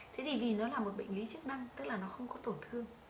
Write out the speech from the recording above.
thế thì vì nó là một bệnh lý chức năng tức là nó không có tổn thương